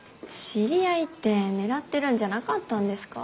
知り合いって狙ってるんじゃなかったんですか。